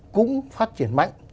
cũng phát triển mạnh